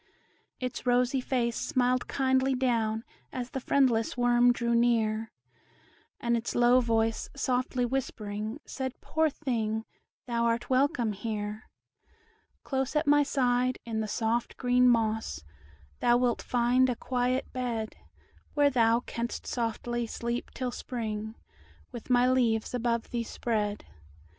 Its rosy face smiled kindly down, As the friendless worm drew near; And its low voice, softly whispering, said "Poor thing, thou art welcome here; Close at my side, in the soft green moss, Thou wilt find a quiet bed, Where thou canst softly sleep till Spring, With my leaves above thee spread.